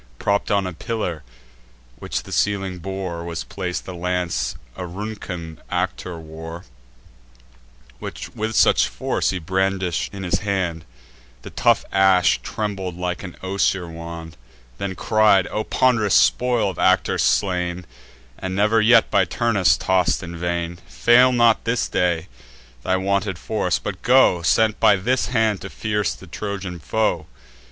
Propp'd on a pillar, which the ceiling bore, Was plac'd the lance Auruncan Actor wore; Which with such force he brandish'd in his hand, The tough ash trembled like an osier wand: Then cried: "O pond'rous spoil of Actor slain, And never yet by Turnus toss'd in vain, Fail not this day thy wonted force; but go, Sent by this hand, to pierce the Trojan foe!